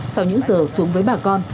sau những giờ xuống với bà con